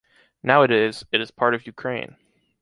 Nowadays, it is part of Ukraine.